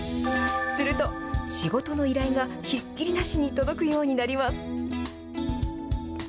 すると、仕事の依頼がひっきりなしに届くようになります。